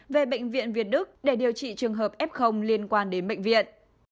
về bệnh viện việt đức để điều trị trường hợp f liên quan đến bệnh viện